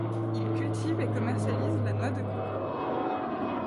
Ils cultivent et commercialisent la noix de coco.